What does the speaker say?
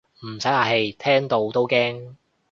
唔使客氣，聽到都驚